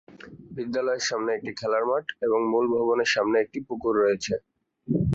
বিদ্যালয়ের সামনে একটি খেলার মাঠ এবং মূল ভবনের সামনে একটি পুকুর রয়েছে।